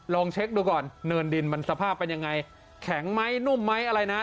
ลองเช็คดูก่อนเนินดินมันสภาพเป็นยังไงแข็งไหมนุ่มไหมอะไรนะ